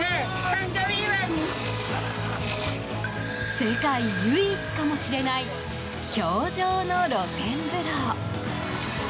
世界唯一かもしれない氷上の露天風呂。